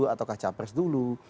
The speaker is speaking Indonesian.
ataukah capres dulu